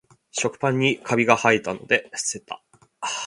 食パンにカビがはえたので捨てた